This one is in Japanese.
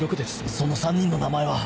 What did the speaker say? その３人の名前は？